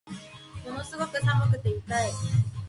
ものすごく寒くて痛い